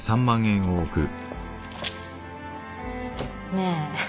ねえ。